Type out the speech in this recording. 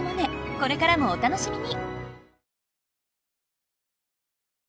これからもお楽しみに！